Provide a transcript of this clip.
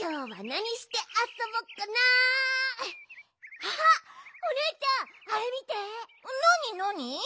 なになに？